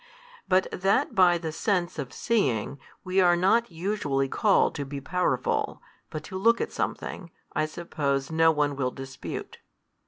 But that by the sense of seeing, we are not usually called to be powerfnl, but to look at something, I suppose no one will dispute.